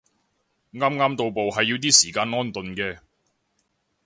啱啱到埗係要啲時間安頓嘅